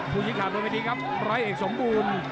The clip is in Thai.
ผู้ยิงขาดมือไม่ดีครับไร่เอกสมบูรณ์